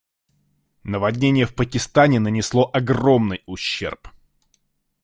Наводнение в Пакистане нанесло огромный ущерб.